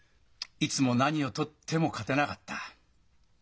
いつも何をとっても勝てなかった。